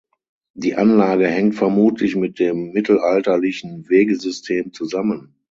Die Anlage hängt vermutlich mit dem mittelalterlichen Wegesystem zusammen.